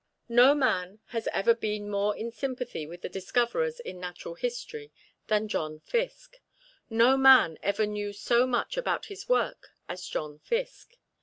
No man has ever been more in sympathy with the discoverers in Natural History than John Fiske. No man ever knew so much about his work as John Fiske.